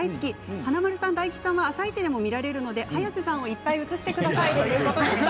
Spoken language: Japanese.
華丸さん、大吉さんは「あさイチ」でも見られるので早瀬さんをいっぱい映してくださいということでした。